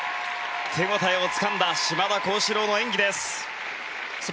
手応えをつかんだ島田高志郎の演技です。